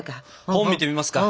本見てみますか？